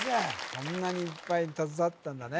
こんなにいっぱい携わったんだね